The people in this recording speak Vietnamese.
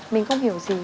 mình không hiểu gì